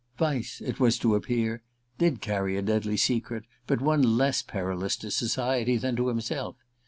Vyse, it was to appear, did carry a deadly secret; but one less perilous to society than to himself.